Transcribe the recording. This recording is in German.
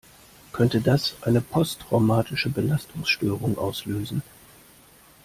Könnte das eine posttraumatische Belastungsstörung auslösen?